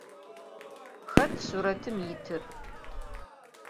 Xet suretım yitır?